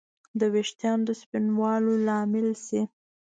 د ویښتانو د سپینوالي لامل شي